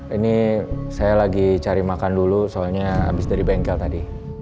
ini saya lagi cari makan dulu soalnya abis dari bengkel tadi